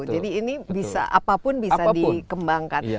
jadi ini bisa apapun bisa dikembangkan